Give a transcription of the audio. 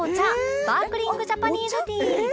スパークリングジャパニーズティー